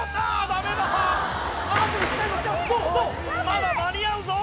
まだ間に合うぞ！